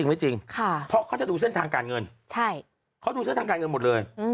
ไม่จริงค่ะเพราะเขาจะดูเส้นทางการเงินใช่เขาดูเส้นทางการเงินหมดเลย